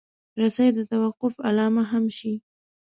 رسۍ د توقف علامه هم شي.